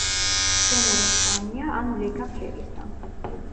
მცენარე მწვანეა ან ლეგა ფერისა.